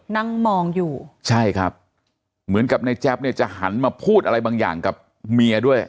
นั่งมองอยู่ใช่ครับเหมือนกับในแจ๊บเนี่ยจะหันมาพูดอะไรบางอย่างกับเมียด้วย